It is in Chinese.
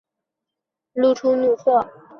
马上露出怒色